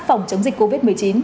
phòng chống dịch covid một mươi chín